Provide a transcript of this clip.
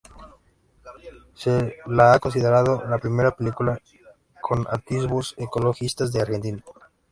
Se la ha considerado la primera película con atisbos ecologistas de Argentina.